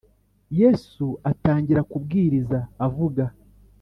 Yesu atangira kubwiriza avuga